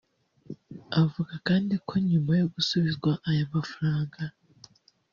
Avuga kandi ko nyuma yo gusubizwa aya mafaranga